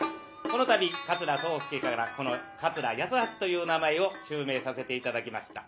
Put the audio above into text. この度桂宗助からこの桂八十八という名前を襲名させて頂きました。